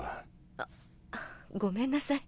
あっごめんなさい。